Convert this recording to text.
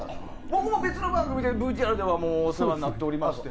僕も別の番組でＶＴＲではお世話になっておりまして。